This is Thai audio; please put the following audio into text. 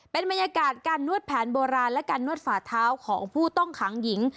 เป็นบรรยากาศการนวดแผนโบราณและการนวดฝาเท้าของผู้ต้องขังหญิง